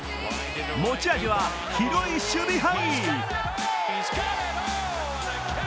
持ち味は広い守備範囲。